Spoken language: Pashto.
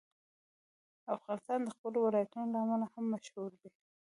افغانستان د خپلو ولایتونو له امله هم مشهور دی.